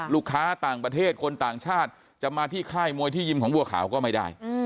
ลูกค้าต่างประเทศคนต่างชาติจะมาที่ค่ายมวยที่ยิมของบัวขาวก็ไม่ได้